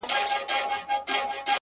• وئېل ئې دغه ټول علامتونه د باران دي ,